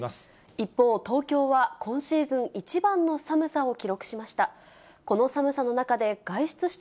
一方、東京は今シーズン一番の寒さを記録しました。